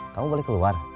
kamu boleh keluar